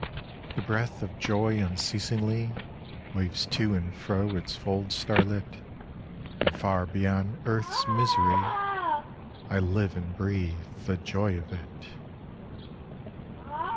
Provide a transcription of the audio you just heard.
* The breath of Joy unceasingly Waves to and fro its folds starlit, And far beyond earth's misery I live and breathe the joy of it.'